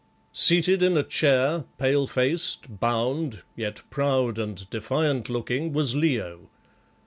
Seated in a chair, pale faced, bound, yet proud and defiant looking, was Leo.